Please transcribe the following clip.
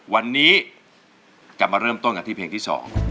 วันนี้จะมาเริ่มต้นกันที่เพลงที่๒